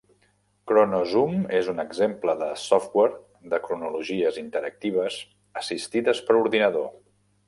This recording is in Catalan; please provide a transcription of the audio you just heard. ChronoZoom és un exemple de software de cronologies interactives assistides per ordinador.